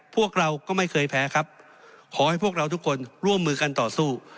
พวกเราก็ไม่เคยแพ้ครับขอให้พวกเราทุกคนร่วมมือกันต่อสู้